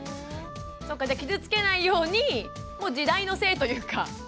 そっかじゃあ傷つけないように時代のせいというか。